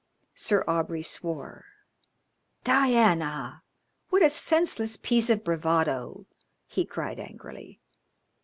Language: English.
Sir Aubrey swore. "Diana! What a senseless piece of bravado!" he cried angrily.